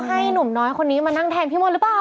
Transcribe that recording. หนุ่มน้อยคนนี้มานั่งแทนพี่มนต์หรือเปล่า